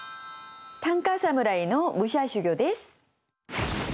短歌侍の武者修行です。